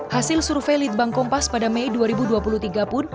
hasil survei litbang kompas pada mei dua ribu dua puluh tiga pun